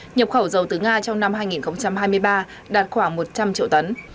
nhập khẩu dầu từ nga trong năm hai nghìn hai mươi ba đạt khoảng một trăm linh triệu tấn